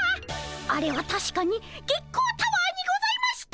あれはたしかに月光タワーにございました。